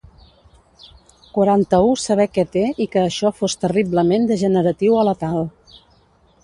Quaranta-u saber què té i que això fos terriblement degeneratiu o letal.